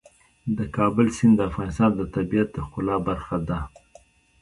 د کابل سیند د افغانستان د طبیعت د ښکلا برخه ده.